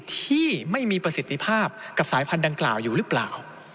ที่ไม่มีประสิทธิภาพกับสายพันธุดังกล่าวอยู่หรือเปล่า